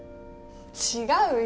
違うよ。